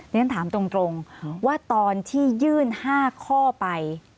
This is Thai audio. เรียนถามตรงว่าตอนที่ยื่น๕ข้อไป